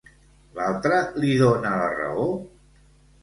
L'altre li dona la raó?